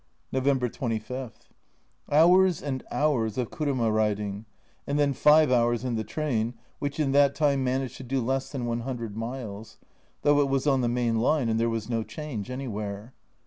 November 25. Hours and hours of kuruma riding, and then five hours in the train, which in that time managed to do less than 100 miles, though it was on the main line and there was no change anywhere.